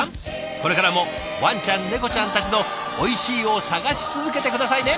これからもワンちゃんネコちゃんたちの「おいしい」を探し続けて下さいね！